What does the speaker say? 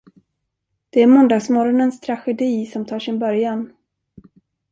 Det är måndagsmorgonens tragedi, som tar sin början.